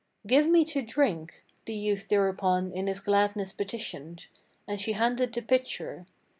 "Give me to drink," the youth thereupon in his gladness petitioned, And she handed the pitcher.